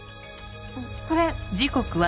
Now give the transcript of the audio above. これ。